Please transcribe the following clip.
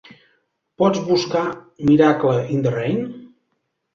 Pots buscar "Miracle in the Rain"?